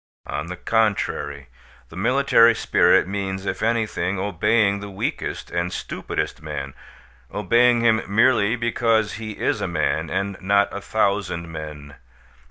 On the contrary, the military spirit means, if anything, obeying the weakest and stupidest man, obeying him merely because he is a man, and not a thousand men.